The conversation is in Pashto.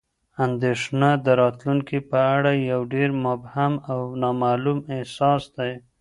اندېښنه د راتلونکي په اړه یو ډېر مبهم او نامعلوم احساس دی.